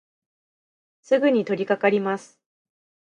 すぐにとりかかります。